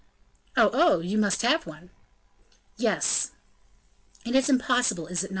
"Oh! oh! you must have one!" "Yes." "It is impossible, is it not, M.